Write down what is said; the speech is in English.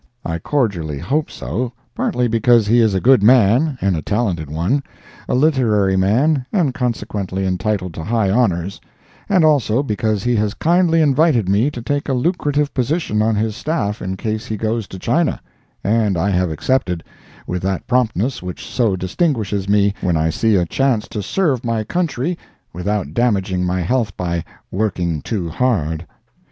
I cordially hope so, partly because he is a good man and a talented one; a literary man and consequently entitled to high honors; and also because he has kindly invited me to take a lucrative position on his staff in case he goes to China, and I have accepted, with that promptness which so distinguishes me when I see a chance to serve my country without damaging my health by working too hard.